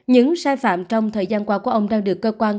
những sai phạm trong thời gian qua của ông đang được cơ quan công ty